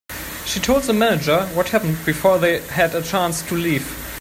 She told the manager what happened before they had a chance to leave.